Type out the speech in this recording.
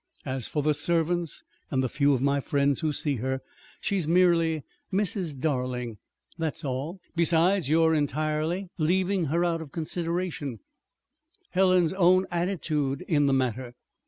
As for the servants, and the few of my friends who see her, she's merely Mrs. Darling. That's all. Besides, you're entirely leaving out of consideration Helen's own attitude in the matter.